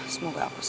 semoga aku salah